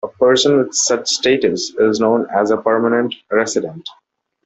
A person with such status is known as a permanent resident.